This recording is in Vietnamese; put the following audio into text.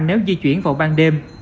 nếu di chuyển vào ban đêm